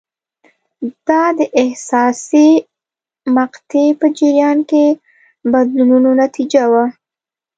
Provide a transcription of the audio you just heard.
دا د حساسې مقطعې په جریان کې بدلونونو نتیجه وه.